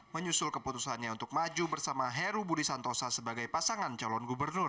menyusul keputusannya untuk maju bersama heru budi santosa sebagai pasangan calon gubernur